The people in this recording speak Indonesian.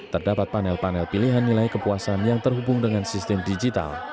terdapat panel panel pilihan nilai kepuasan yang terhubung dengan sistem digital